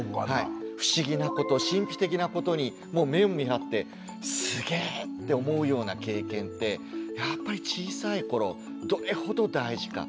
不思議なこと神秘的なことに目を見張ってすげえって思うような経験ってやっぱり小さいころどれほど大事か。